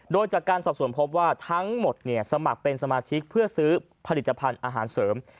โดยจากการสอบส่วนพบว่าทั้งหมดสมัครเป็นสมาชิกเพื่อซื้อผลิตภัณฑ์อาหารเสริม